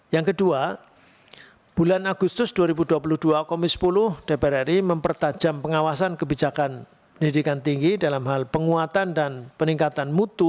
yang kedua bulan agustus dua ribu dua puluh dua komisi sepuluh dpr ri mempertajam pengawasan kebijakan pendidikan tinggi dalam hal penguatan dan peningkatan mutu